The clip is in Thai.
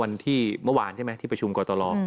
วันที่เมื่อวานใช่ไหมที่ประชุมก่อตะเลาะ